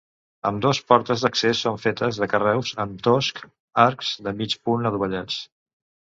Ambdós portes d'accés són fetes de carreus amb toscs arcs de mig punt adovellats.